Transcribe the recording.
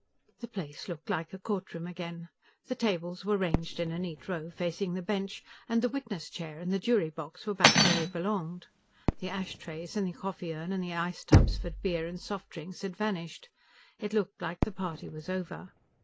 The place looked like a courtroom again. The tables were ranged in a neat row facing the bench, and the witness chair and the jury box were back where they belonged. The ashtrays and the coffee urn and the ice tubs for beer and soft drinks had vanished. It looked like the party was over.